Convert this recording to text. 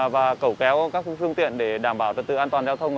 và cầu kéo các phương tiện để đảm bảo trật tự an toàn giao thông